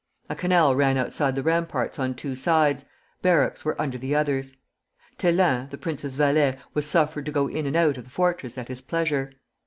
A canal ran outside the ramparts on two sides; barracks were under the others. Thélin, the prince's valet, was suffered to go in and out of the fortress at his pleasure.